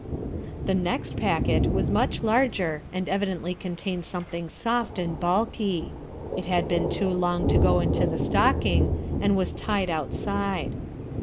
The next packet was much larger and evidently contained something soft and bulky. It had been too long to go into the stocking and was tied outside.